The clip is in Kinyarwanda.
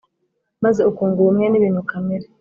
maze ukunga ubumwe n’ibintu kamere.